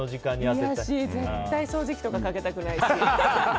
絶対掃除機とかかけたくないし。